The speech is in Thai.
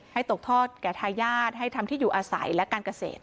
ตกทอดแก่ทายาทให้ทำที่อยู่อาศัยและการเกษตร